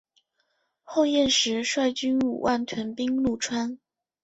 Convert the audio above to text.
后燕时率军五万屯兵潞川。